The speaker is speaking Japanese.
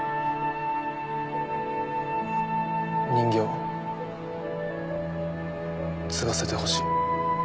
人形継がせてほしい。